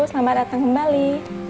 selamat datang kembali